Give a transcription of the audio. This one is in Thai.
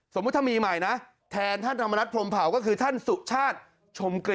สมมุติถ้ามีใหม่นะแทนท่านธรรมนัฐพรมเผาก็คือท่านสุชาติชมกลิ่น